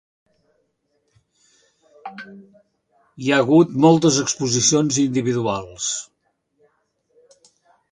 Hi ha hagut moltes exposicions individuals.